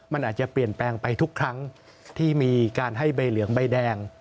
มันอาจจะเปลี่ยนแปลงไปทุกครั้งที่มีการให้ใบเหลืองใบแดง